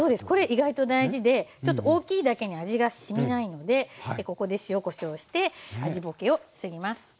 これ意外と大事でちょっと大きいだけに味がしみないのでここで塩・こしょうして味ぼけを防ぎます。